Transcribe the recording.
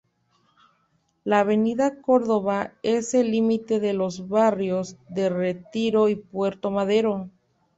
La avenida Córdoba es el límite de los barrios de Retiro y Puerto Madero.